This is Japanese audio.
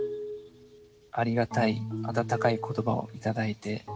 ありがたい温かい言葉を頂いて。